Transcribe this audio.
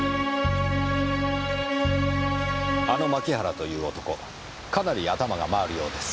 あの槇原という男かなり頭が回るようです。